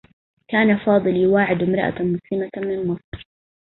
كان فاضل يواعد امرأة مسلمة من مصر.